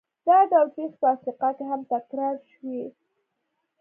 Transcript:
دا ډول پېښې په افریقا کې هم تکرار شوې.